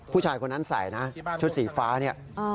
ผู้ชายคนนั้นใส่นะชุดสีฟ้าเนี่ย